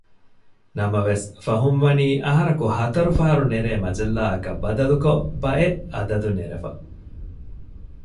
ނަމަވެސް ފަހުންވަނީ އަހަރަކު ހަތަރު ފަހަރު ނެރޭ މަޖައްލާއަކަށް ބަދަލުކޮށް ބައެއް އަދަދު ނެރެފަ